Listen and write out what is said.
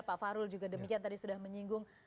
pak farul juga demikian tadi sudah menyinggung